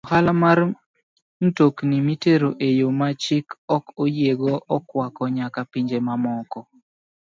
Ohala mar mtokni mitero e yo ma chik ok oyiego okwako nyaka pinje mamoko.